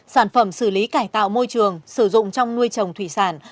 sản phẩm xử lý cải tạo môi trường sử dụng trong nuôi trồng thủy sản